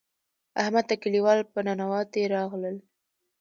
احمد ته کلیوال په ننواتې راغلل.